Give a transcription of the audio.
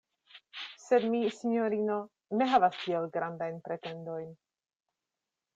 Sed mi, sinjorino, ne havas tiel grandajn pretendojn.